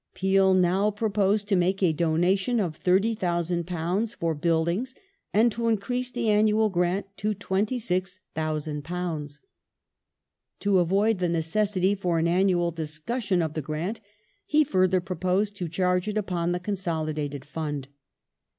Peel now proposed to make a donation of £30,000 for buildings, and to increase the annual grant to £26,000. To avoid the necessity for an annual discussion of the grant he further proposed to charge it upon the Consolidated Fund.